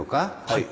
はい。